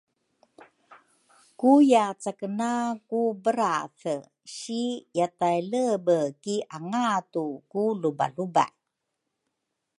Ku yacakena ku berathe si yatailebe ki angatu ku lubalubay